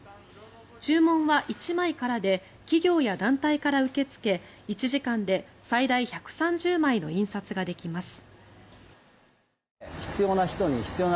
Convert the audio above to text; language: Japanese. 注文は１枚からで企業や団体から受け付け１時間で最大１３０枚の印刷ができます。